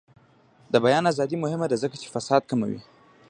د بیان ازادي مهمه ده ځکه چې فساد کموي.